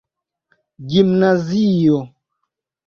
gimnazio